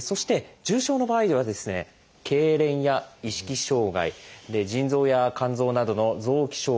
そして重症の場合では「けいれん」や「意識障害」腎臓や肝臓などの「臓器障害」